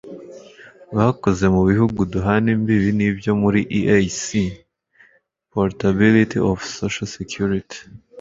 bakoze mu bihugu duhana imbibi n'ibyo muri eac (portability of social security